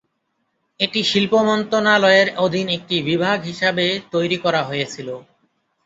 এটি শিল্প মন্ত্রণালয়ের অধীন একটি বিভাগ হিসাবে তৈরি করা হয়েছিল।